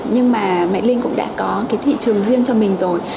nhưng mà maglink cũng đã có cái thị trường riêng cho mình rồi